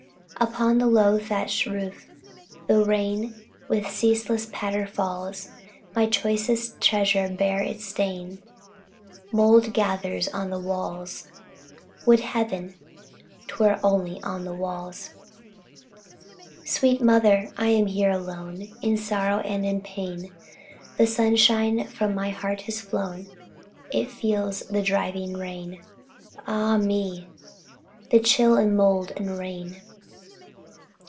Upon the low thatched roof, the rain, With ceaseless patter, falls; My choicest treasures bear its stain Mould gathers on the walls Would Heaven 'Twere only on the walls! Sweet Mother! I am here alone, In sorrow and in pain; The sunshine from my heart has flown, It feels the driving rain Ah, me! The chill, and mould, and rain.